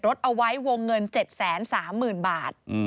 รถเอาไว้วงเงิน๗๓๐๐๐บาท